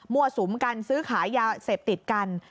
สุมกันซื้อขายยาเสพติดกัน